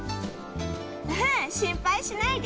うん、心配しないで。